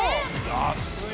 安い！